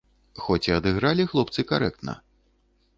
Хоць і адыгралі хлопцы карэктна.